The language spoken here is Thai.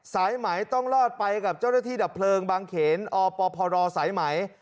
สายไหมต้องรอดไปกับเจ้าหน้าที่ดับเพลิงบางเขนอปพรสายไหม